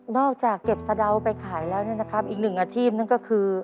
จากเก็บสะดาวไปขายแล้วเนี่ยนะครับอีกหนึ่งอาชีพนั่นก็คือ